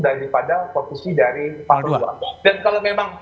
daripada posisi dari pak prabowo